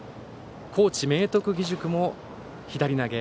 高知・明徳義塾も左投げ。